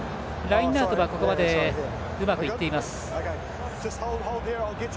ラインアウトはここまでうまくいっています。